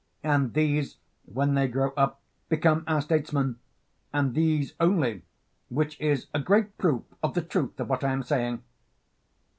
And these when they grow up become our statesmen, and these only, which is a great proof of the truth of what I am saving.